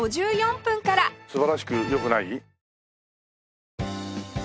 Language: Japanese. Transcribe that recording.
素晴らしくよくない？